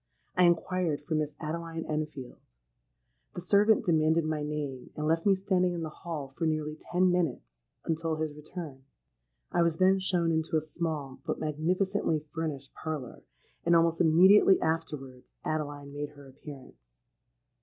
I inquired for Miss Adeline Enfield. The servant demanded my name, and left me standing in the hall for nearly ten minutes until his return. I was then shown into a small but magnificently furnished parlour; and almost immediately afterwards Adeline made her appearance.